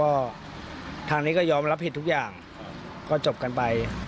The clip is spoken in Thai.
ก็ทางนี้ก็ยอมรับผิดทุกอย่างก็จบกันไป